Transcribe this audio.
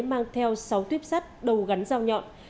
mang theo sáu tuyếp sắt đầu gắn dao nhọn